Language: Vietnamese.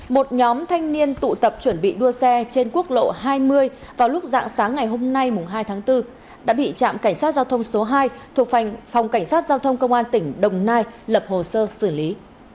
một nhóm thanh niên tụ tập chuẩn bị đua xe trên quốc lộ hai mươi vào lúc dạng sáng ngày hôm nay hai tháng bốn đã bị trạm cảnh sát giao thông số hai thuộc phòng cảnh sát giao thông công an tỉnh đồng nai lập hồ sơ xử lý